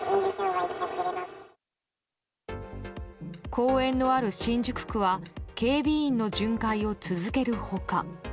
公園のある新宿区は警備員の巡回を続ける他。